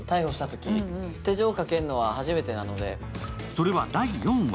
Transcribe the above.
それは第４話。